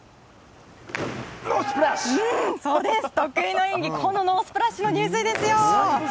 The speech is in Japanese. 得意の演技、ノースプラッシュの入水ですよ！